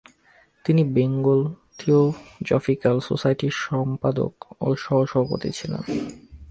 তিনি Bengal theosophical সোসাইটির সম্পাদক ও সহ-সভাপতি ছিলেন।